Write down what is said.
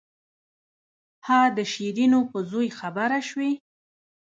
ها د شيرينو په زوى خبره سوې.